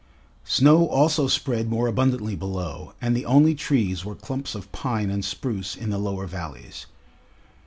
Snow also spread more abundantly below, and the only trees were clumps of pine and spruce in the lower valleys.